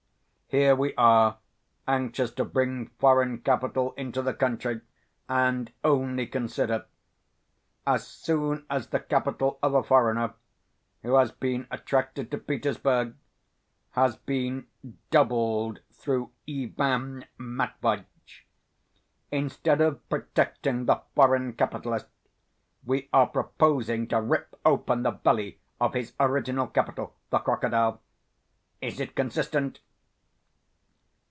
Here we are, anxious to bring foreign capital into the country and only consider: as soon as the capital of a foreigner, who has been attracted to Petersburg, has been doubled through Ivan Matveitch, instead of protecting the foreign capitalist, we are proposing to rip open the belly of his original capital the crocodile. Is it consistent?